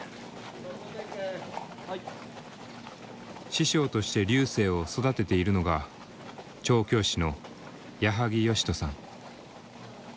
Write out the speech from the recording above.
師匠として瑠星を育てているのが調教師の矢作芳人さん。